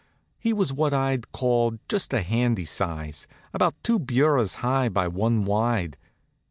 He was what I'd call just a handy size, about two bureaus high by one wide.